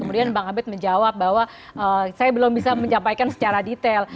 kemudian bang abed menjawab bahwa saya belum bisa menyampaikan secara detail